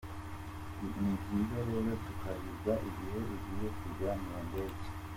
Ni byiza rero kutabirya igihe ugiye kujya mu ndege.